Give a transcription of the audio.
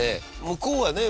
向こうはね